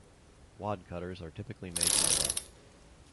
Wadcutters are typically made from lead.